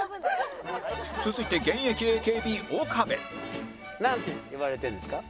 続いて現役 ＡＫＢ 岡部なんて呼ばれてるんですか？